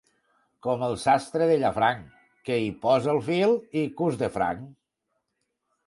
Com el sastre de Llafranc, que hi posa el fil i cus de franc.